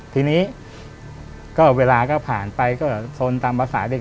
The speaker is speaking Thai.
ทีนี้เวลาก็ผ่านไปขนตำภาษาเด็ก